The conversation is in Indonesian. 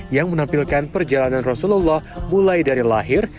yang menampilkan perjalanan rasulullah mulai dari lahir